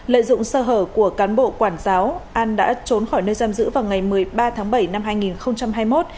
lợi dụng sơ hở của cán bộ quản giáo an đã trốn khỏi nơi giam giữ vào ngày một mươi ba tháng bảy năm hai nghìn hai mươi một